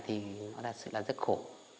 thì nó đã xảy ra rất khổ